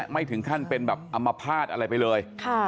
ไม่ถึงขั้นเป็นแบบอัมพาตอะไรไปเลย